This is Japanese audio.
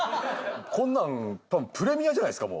こんなんプレミアじゃないですか？